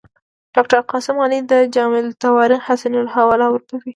ډاکټر قاسم غني د جامع التواریخ حسني حواله ورکوي.